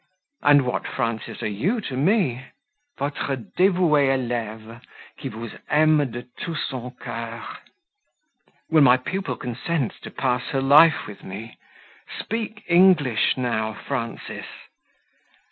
"And what, Frances, are you to me?" "Votre devouee eleve, qui vous aime de tout son coeur." "Will my pupil consent to pass her life with me? Speak English now, Frances."